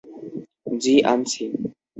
জ্বী, আনছি।